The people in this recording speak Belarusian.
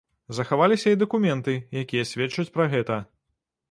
Захаваліся і дакументы, якія сведчаць пра гэта.